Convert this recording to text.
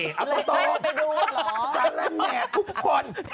สารแหน่ทุกคน